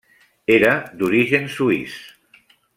Era d'origen suís.